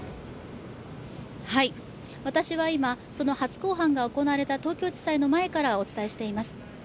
私は今、その初公判が行われた東京地裁の前からお伝えしています。